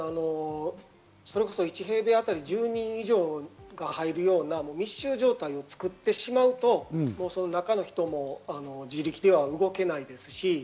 １平米あたり１０人以上が入るような密集状態を作ってしまうと、その中の人も自力では動けないですし。